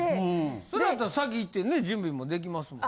それやったら先行ってね準備もできますもんね。